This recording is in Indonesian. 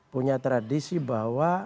punya tradisi bahwa